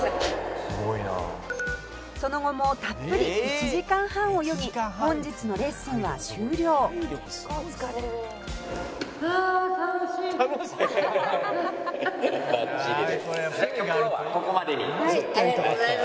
「その後もたっぷり１時間半泳ぎ本日のレッスンは終了」「楽しい」はい。